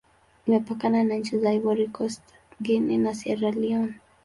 Imepakana na nchi za Ivory Coast, Guinea, na Sierra Leone.